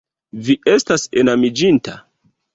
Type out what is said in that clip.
Vi estas enamiĝinta?